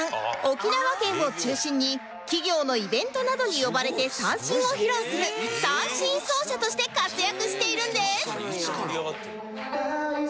沖縄県を中心に企業のイベントなどに呼ばれて三線を披露する三線奏者として活躍しているんです